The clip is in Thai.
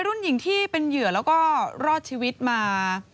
รุ่นหญิงที่เป็นเหยื่อแล้วก็รอดชีวิตมา